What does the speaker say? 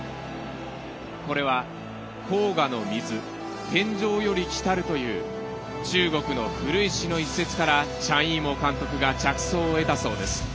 これは「黄河の水天上より来たる」という中国の古い詩の一節からチャン・イーモウ監督が着想を得たそうです。